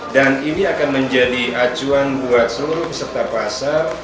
dan ini akan menjadi acuan buat seluruh peserta pasar